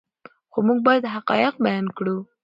خو موږ باید حقایق بیان کړو.